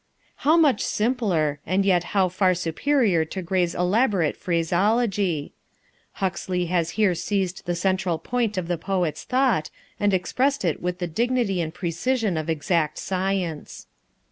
How much simpler, and yet how far superior to Grey's elaborate phraseology! Huxley has here seized the central point of the poet's thought, and expressed it with the dignity and precision of exact science.